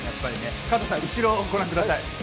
加藤さん、後ろをご覧ください。